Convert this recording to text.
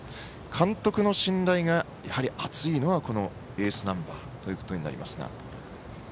監督の信頼がやはり厚いのはエースナンバーということになります。